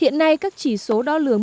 hiện nay các chỉ số đo lường